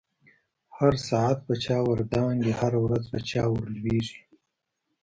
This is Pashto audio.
هر ساعت په چاور دانګی، هزه ورځ په چا ور لويږی